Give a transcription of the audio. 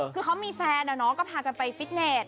ถ้ามีแฟนก็พากันไปฟิตเนต